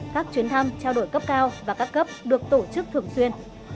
các chuyến thăm trao đổi cấp cao và các cấp được tổ chức thường xuyên